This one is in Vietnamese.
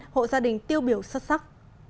hộ gia đình tiêu biểu xuất sắc